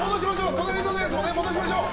隣のやつも戻しましょう。